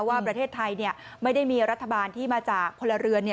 ว่าประเทศไทยไม่ได้มีรัฐบาลที่มาจากพลเรือน